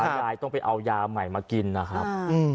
ยายต้องไปเอายาใหม่มากินนะครับ